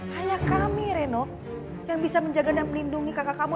hanya kami reno yang bisa menjaga dan melindungi kakak kamu